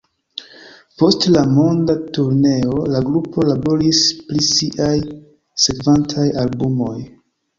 Post la monda turneo, la grupo laboris pri siaj sekvantaj albumoj.